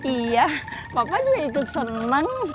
iya papa juga itu seneng